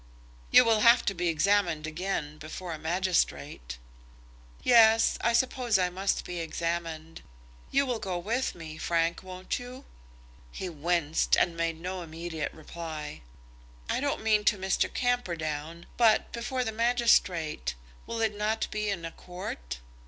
"You will have to be examined again before a magistrate." "Yes; I suppose I must be examined. You will go with me, Frank, won't you?" He winced, and made no immediate reply. "I don't mean to Mr. Camperdown, but before the magistrate. Will it be in a court?"